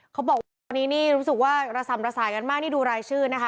เขาบอกว่าตอนนี้นี่รู้สึกว่าระสำระสายกันมากนี่ดูรายชื่อนะคะ